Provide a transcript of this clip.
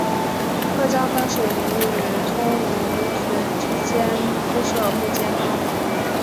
客家风水林与村屋群之间铺设木栈道。